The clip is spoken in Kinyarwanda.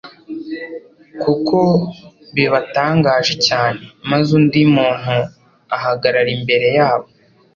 kuko bibatangaje cyane, maze undi muntu ahagarara imbere yabo.